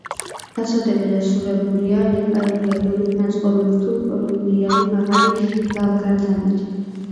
ფასადები დასრულებულია ლეკალური აგურით ნაწყობი, რთულპროფილიანი, მაღალი ლავგარდანით.